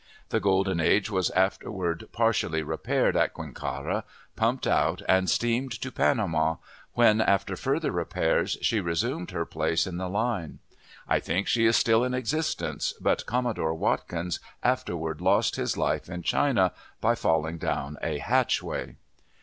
The Golden Age was afterward partially repaired at Quicara, pumped out, and steamed to Panama, when, after further repairs, she resumed her place in the line. I think she is still in existence, but Commodore Watkins afterward lost his life in China, by falling down a hatchway.